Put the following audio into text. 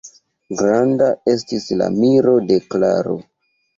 Granda estis la miro de Klaro.